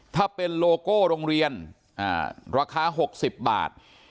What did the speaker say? ถ้าเป็นโลโก้โรงเรียนราคา๖๐บาท